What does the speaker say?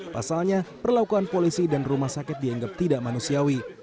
pasalnya perlakuan polisi dan rumah sakit dianggap tidak manusiawi